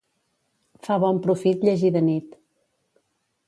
Fa bon profit llegir de nit.